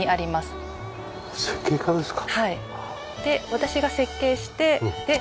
私が設計して夫が。